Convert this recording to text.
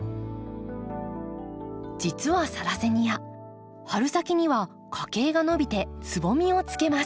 実はサラセニア春先には花茎が伸びてつぼみをつけます。